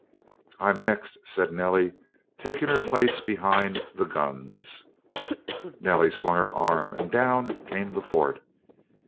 "I'm next," said Nellie, taking her place behind "the guns." Nellie swung her arm and down came the fort!